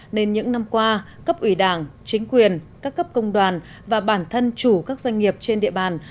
nên những năm qua cấp ủy đảng chính quyền các cấp công đoàn và bản thân chủ các doanh nghiệp trên địa bàn